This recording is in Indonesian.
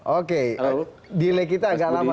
oke delay kita agak lama